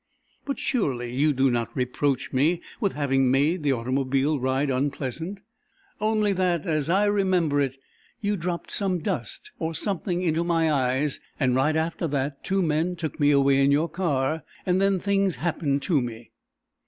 "But surely you do not reproach me with having made the automobile ride unpleasant?" "Only that, as I remember it, you dropped some dust or something into my eyes, and right after that two men took me away in your car and then things happened to me."